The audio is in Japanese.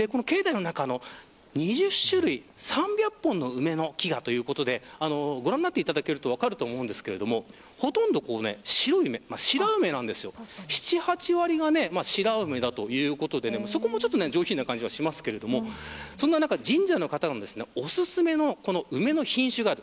境内の中の２０種類３００本の梅の木がということでご覧になっていただけると分かると思うんですけどほとんど、白梅７、８割が白梅だということでそこも上品な感じがしますけどもそんな中、神社の方のおすすめの梅の品種がある。